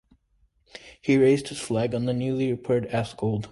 He raised his flag on the newly repaired "Askold".